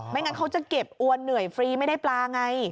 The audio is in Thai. งั้นเขาจะเก็บอวนเหนื่อยฟรีไม่ได้ปลาไง